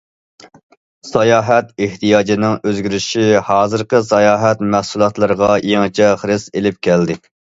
ساياھەت ئېھتىياجىنىڭ ئۆزگىرىشى ھازىرقى ساياھەت مەھسۇلاتلىرىغا يېڭىچە خىرىس ئېلىپ كەلدى.